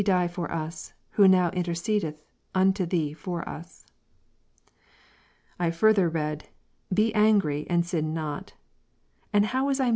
8, die for us, who now intercedeth unto Thee for iis. Eph 4 ^^*^ further read. Be angry, and sin not. And how was I 2G.